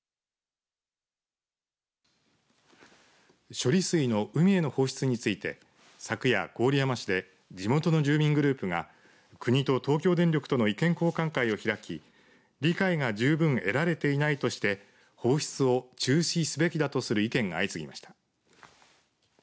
処理水の海への放出について昨夜、郡山市で地元の住民グループが国と東京電力との意見交換会を開き理解が十分得られていないとして放出を中止すべきだとする意見が相次ぎました。